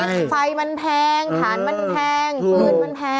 ตอนนี้ไฟมันแพงถานมันแพงพืชมันแพง